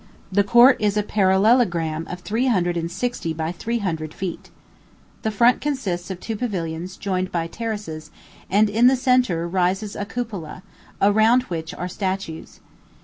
The court is a parallelogram of three hundred and sixty by three hundred feet. The front consists of two pavilions, joined by terraces, and in the centre rises a cupola, around which are statues.